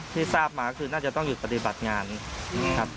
ที่ทราบมาคือน่าจะต้องหยุดปฏิบัติงานครับ